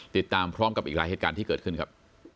ติดตามพร้อมกับอีกหลายเหตุการณ์ที่เกิดขึ้นครับ